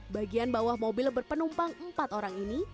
bagian bawah mobil berpenumpang empat orang ini